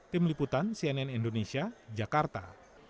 tim liputan cnn indonesia jakarta